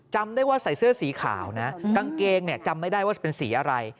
จำได้ว่าใส่เสื้อสีขาวนะกางเกงเนี่ยจำไม่ได้ว่าจะเป็นสีอะไร